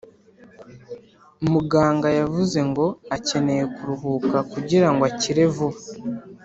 Muganga yavuze ngo akeneye kuruhuka kugirango akire vuba